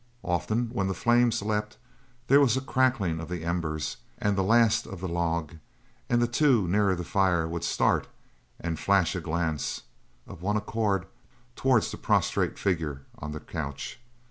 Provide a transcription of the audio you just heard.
Often when the flames leapt there was a crackling of the embers and the last of the log, and then the two nearer the fire would start and flash a glance, of one accord, towards the prostrate figure on the couch.